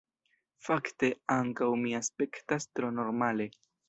Fakte, ankaŭ mi aspektas tro normale.